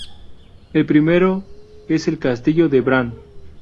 El primero es el Castillo de Bran.